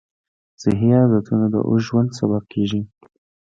صحي عادتونه د اوږد ژوند سبب کېږي.